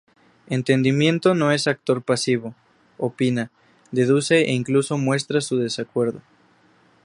Entendimiento no es actor pasivo: opina, deduce e incluso muestra su desacuerdo.